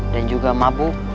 dan juga mabuk